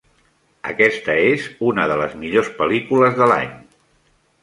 Aquesta és una de les millors pel·lícules de l"any.